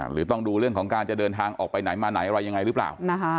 หรือต้องดูเรื่องของการจะเดินทางออกไปไหนมาไหนอะไรยังไงหรือเปล่า